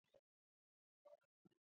იკვებება მღიერებით, ხავსებით, ბალახეულით.